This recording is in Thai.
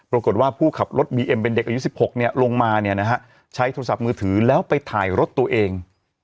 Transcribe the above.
รบกฎว่าผู้ขับรถบีเอ็มเป็นเด็กอายุสิบหกเนี้ยลงมาเนี้ยนะฮะใช้โทรศัพท์มือถือแล้วไปถ่ายรถตัวเอง